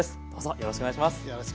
よろしくお願いします。